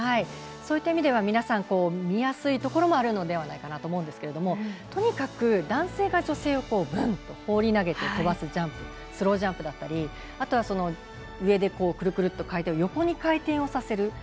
そういった意味では皆さん、見やすいところもあるのではないかなと思うんですけどもとにかく男性が女性を放り投げて跳ばすジャンプスロージャンプだったりあとは上でくるくると持ち上げて横に回転をさせる